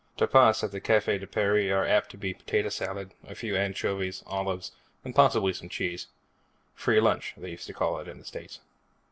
Tapas at the Cafe de Paris are apt to be potato salad, a few anchovies, olives, and possibly some cheese. Free lunch, they used to call it in the States.